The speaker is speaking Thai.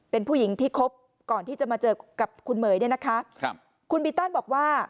เป็นผู้หญิงที่คบก่อนที่จะมาเจอกับคุณเหม๋ยเนี่ยนะคะครับคุณบีตันบอกว่า